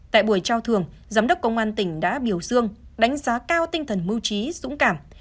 tại buổi trao thường giám đốc công an tỉnh đã biểu dương đánh giá cao tinh thần mưu trí dũng cảm